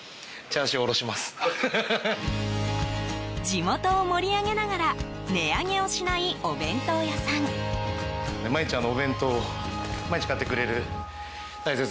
地元を盛り上げながら値上げをしない、お弁当屋さん。